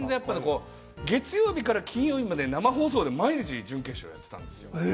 月曜日から金曜日まで生放送で毎日、準決勝やってたんですよ。